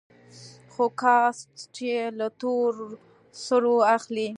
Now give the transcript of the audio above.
خو كسات يې له تور سرو اخلي.